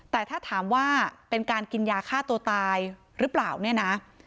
แต่ถ้าถามว่าเป็นการกินยาฆ่าตัวตายหรือเปล่าเนี่ยนะ